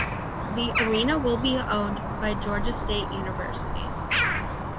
The arena will be owned by Georgia State University.